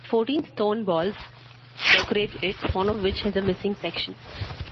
Fourteen stone balls decorate it, one of which has a missing section.